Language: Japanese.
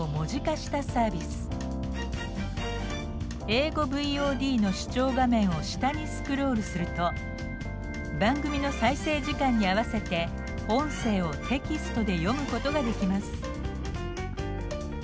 英語ＶＯＤの視聴画面を下にスクロールすると番組の再生時間に合わせて音声をテキストで読むことができます。